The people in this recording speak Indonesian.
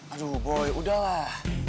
aduh boy udah lah